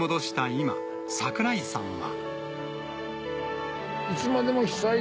今櫻井さんは。